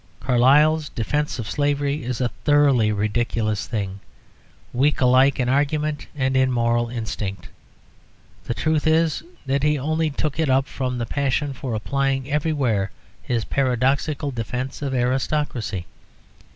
Carlyle's defence of slavery is a thoroughly ridiculous thing, weak alike in argument and in moral instinct. The truth is, that he only took it up from the passion for applying everywhere his paradoxical defence of aristocracy.